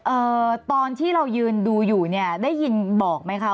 เอ่อตอนที่เรายืนดูอยู่เนี่ยได้ยินบอกไหมคะ